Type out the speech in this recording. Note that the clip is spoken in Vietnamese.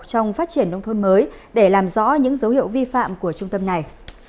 trong phát triển nông thôn mới để làm rõ những dấu hiệu vi phạm của trung tâm này